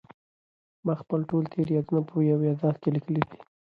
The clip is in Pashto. ما خپل ټول تېر یادونه په یو یادښت کې لیکلي دي.